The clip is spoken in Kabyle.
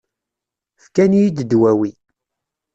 Fkan-iyi-d ddwawi.